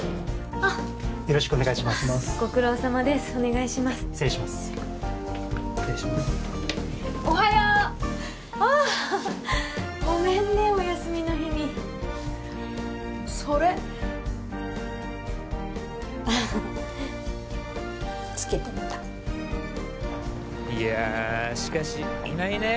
あっごめんねお休みの日にそれつけてみたいやしかしいないねえ